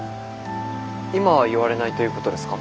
今は言われないということですか？